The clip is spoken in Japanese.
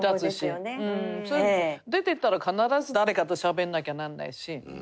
出ていったら必ず誰かとしゃべらなきゃならないし。